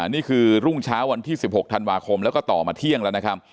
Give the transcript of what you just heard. นี่คือรุ่งเช้าวันที่๑๖ธันวาคมแล้วก็ต่อมาเที่ยงแล้วนะครับ